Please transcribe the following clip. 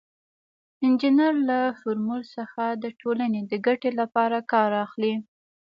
انجینر له فورمول څخه د ټولنې د ګټې لپاره کار اخلي.